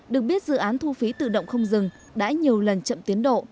được biết dự án thu phí tự động không dừng đã nhiều lần chậm tiến độ